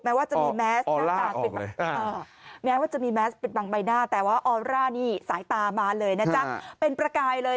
แม้ว่าจะมีแมสปิดบังใบหน้าแต่ว่าออร่านี่สายตามาเลยนะจ๊ะเป็นประกายเลย